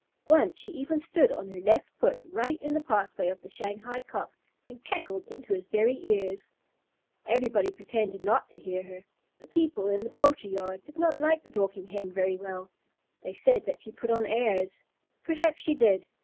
Once she even stood on her left foot right in the pathway of the Shanghai Cock, and cackled into his very ears. Everybody pretended not to hear her. The people in the poultry yard did not like the Dorking Hen very well. They said that she put on airs. Perhaps she did.